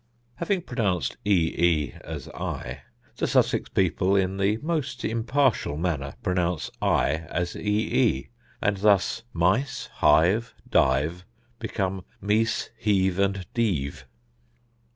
Having pronounced ee as i, the Sussex people in the most impartial manner pronounce i as ee; and thus mice, hive, dive, become meece, heeve, and deeve.